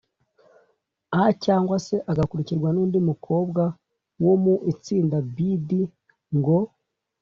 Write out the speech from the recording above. A cyangwa C, agakurikirwa n’undi mukobwa wo mu itsinda B/D ngo